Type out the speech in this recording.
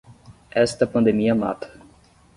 Esta pandemia mata.